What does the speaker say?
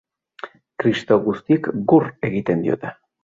Kristau guztiek gur egiten diote.